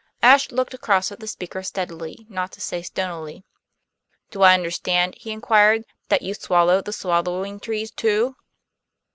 Ashe looked across at the speaker steadily, not to say stonily. "Do I understand," he inquired, "that you swallow the swallowing trees too?"